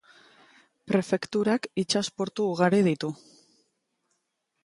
Prefekturak itsas portu ugari ditu.